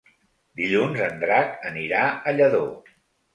Dilluns en Drac anirà a Lladó.